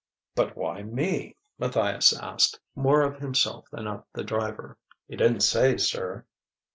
"But why me?" Matthias asked, more of himself than of the driver. "He didn't say, sir."